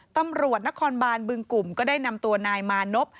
ตำรวจนครบานบึงกลุ่มก็ได้นำตัวนายมานพ